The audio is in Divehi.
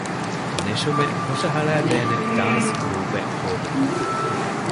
ނެށުމެއް ހުށަހަޅައިދޭނެ ޑާންސް ގްރޫޕެއް ހޯދުމަށް